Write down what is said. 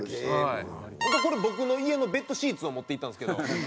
これ僕の家のベッドシーツを持っていったんですけど。